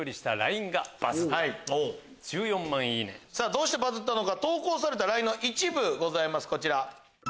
どうしてバズったのか投稿されたＬＩＮＥの一部こちら。